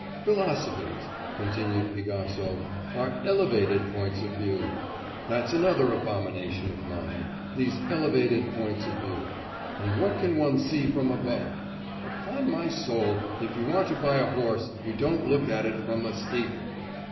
'Philosophies,' continued Pigasov, 'are elevated points of view! That's another abomination of mine; these elevated points of view. And what can one see from above? Upon my soul, if you want to buy a horse, you don't look at it from a steeple!